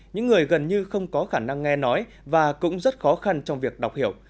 những người gần như không có khả năng nghe nói và cũng rất khó khăn trong việc đọc hiểu